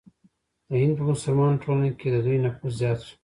د هند په مسلمانه ټولنه کې د دوی نفوذ زیات شو.